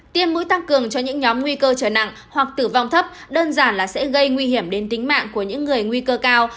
tiêm mũi tăng cường cho những nhóm nguy cơ trở nặng hoặc tử vong thấp đơn giản là sẽ gây nguy hiểm đến tính mạng của những người nguy cơ cao